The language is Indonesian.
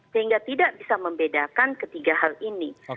sehingga tidak bisa membedakan ketiga hal ini